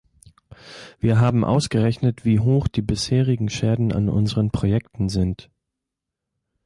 Wir haben ausgerechnet, wie hoch die bisherigen Schäden an unseren Projekten sind.